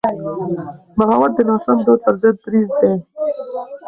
بغاوت د ناسم دود پر ضد دریځ دی.